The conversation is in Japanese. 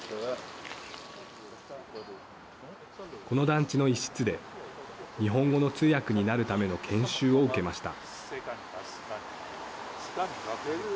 この団地の一室で日本語の通訳になるための研修を受けました。